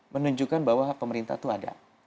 menunjukkan bahwa hak pemerintah itu ada